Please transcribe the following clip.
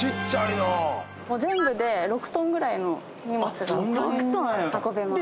もう全部で６ｔぐらいの荷物が運べます